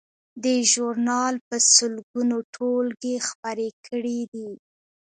دې ژورنال په سلګونو ټولګې خپرې کړې دي.